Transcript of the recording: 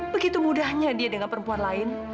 begitu mudahnya dia dengan perempuan lain